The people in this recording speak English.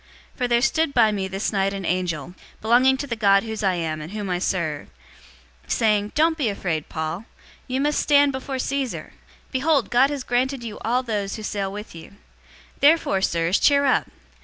027:023 For there stood by me this night an angel, belonging to the God whose I am and whom I serve, 027:024 saying, 'Don't be afraid, Paul. You must stand before Caesar. Behold, God has granted you all those who sail with you.' 027:025 Therefore, sirs, cheer up!